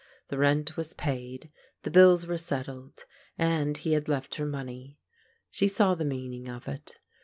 The rent was paid, the bills were settled, and he had left her money. She saw the mean ing of it.